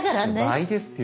倍ですよ。